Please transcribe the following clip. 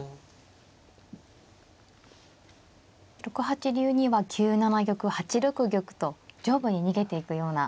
６八竜には９七玉８六玉と上部に逃げていくような。